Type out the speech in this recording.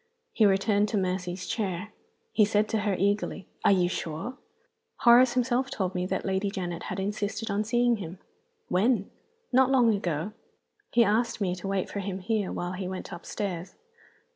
He returned to Mercy's chair; he said to her, eagerly, "Are you sure?" "Horace himself told me that Lady Janet had insisted on seeing him." "When?" "Not long ago. He asked me to wait for him here while he went upstairs."